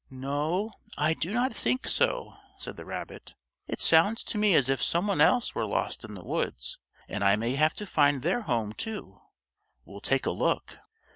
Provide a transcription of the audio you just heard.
"No, I do not think so," said the rabbit. "It sounds to me as if some one else were lost in the woods, and I may have to find their home, too. We'll take a look."